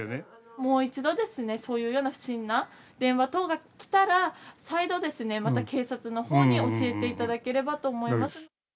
もう一度ですね、そういうような不審な電話等が来たら、再度ですね、また警察のほうに教えていただければと思います。